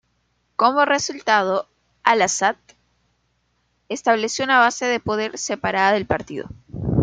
Como resultado, Al-Ásad estableció una base de poder separada del partido.